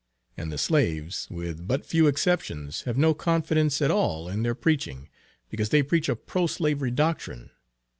And the slaves, with but few exceptions, have no confidence at all in their preaching, because they preach a pro slavery doctrine.